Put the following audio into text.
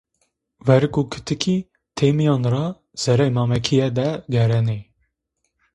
Verg u kutıki têmiyan ra zerrey mamekiye de geyrenê.